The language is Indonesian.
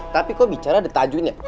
tapi kok bicara ada tajunya